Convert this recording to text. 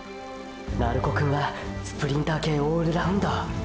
鳴子くんはスプリンター系オールラウンダー！！